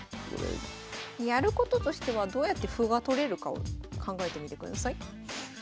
やることとしてはどうやって歩が取れるかを考えてみてください。